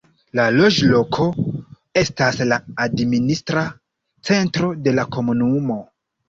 La loĝloko estas la administra centro de la komunumo.